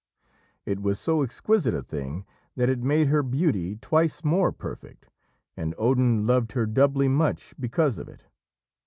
It was so exquisite a thing that it made her beauty twice more perfect, and Odin loved her doubly much because of it.